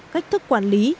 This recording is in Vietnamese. cách thức quản lý